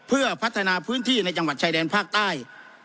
เพื่อพัฒนาพื้นที่ในจังหวัดชายแดนภาคใต้